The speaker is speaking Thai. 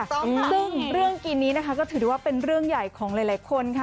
ซึ่งเรื่องกินนี้นะคะก็ถือว่าเป็นเรื่องใหญ่ของหลายคนค่ะ